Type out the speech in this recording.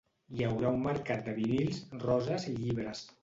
Hi haurà un mercat de vinils, roses i llibres.